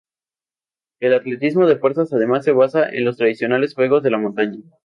El atletismo de fuerza además se basa en los tradicionales juegos de la montaña.